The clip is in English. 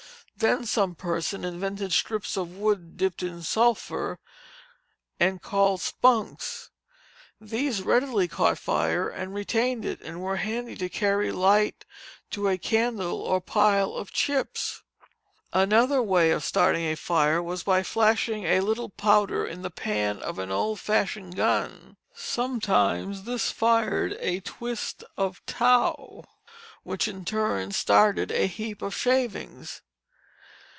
Then some person invented strips of wood dipped in sulphur and called "spunks." These readily caught fire, and retained it, and were handy to carry light to a candle or pile of chips. Another way of starting a fire was by flashing a little powder in the pan of an old fashioned gun; sometimes this fired a twist of tow, which in turn started a heap of shavings.